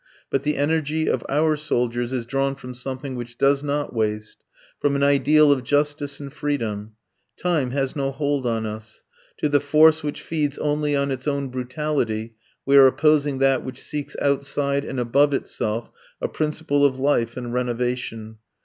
But the energy of our soldiers is drawn from something which does not waste, from an ideal of justice and freedom. Time has no hold on us. To the force which feeds only on its own brutality we are opposing that which seeks outside and above itself a principle of life and renovation.